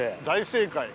大正解。